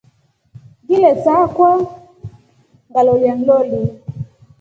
Ngile saakwa ngalolia nloli.